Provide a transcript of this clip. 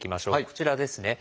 こちらですね。